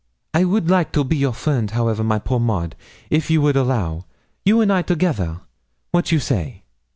I would like to be your friend, however, my poor Maud, if you would allow you and I together wat you say?'